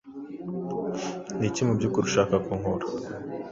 Niki mubyukuri ushaka ko nkora?